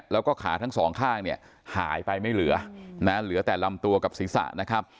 แล้วก็ขาทั้งสองข้างหายไปไม่เหลือหลังแต่ลำตัวกับศิษย์สะนะครับ